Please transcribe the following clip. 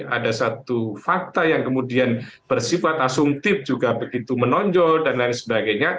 ada satu fakta yang kemudian bersifat asumtif juga begitu menonjol dan lain sebagainya